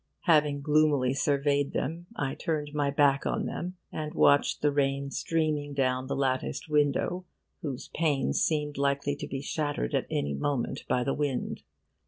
Having gloomily surveyed them, I turned my back on them, and watched the rain streaming down the latticed window, whose panes seemed likely to be shattered at any moment by the wind.